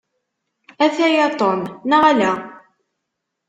Ataya Tom, neɣ ala?